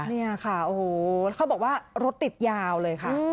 นี่ค่ะโอ้โหเขาบอกว่ารถติดยาวเลยค่ะ